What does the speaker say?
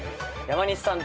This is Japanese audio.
山西さん